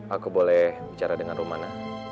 aku boleh bicara dengan romana